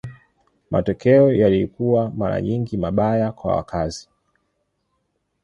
Matokeo yalikuwa mara nyingi mabaya kwa wakazi.